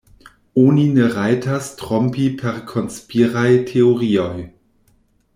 Oni ne rajtas trompi per konspiraj teorioj.